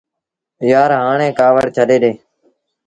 يآر هآڻي ڪآوڙ ڇڏي ڏي۔